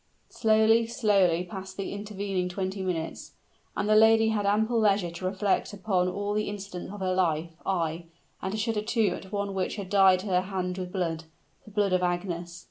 Slowly, slowly passed the intervening twenty minutes; and the lady had ample leisure to reflect upon all the incidents of her life ay, and to shudder too at one which had dyed her hand with blood the blood of Agnes!